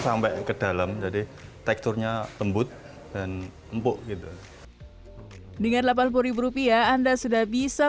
sampai ke dalam jadi teksturnya tembut dan empuk gitu dengan rp delapan puluh andasudah bisa merasakan